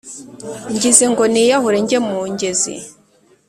Ngize ngo niyahure njye mu ngezi,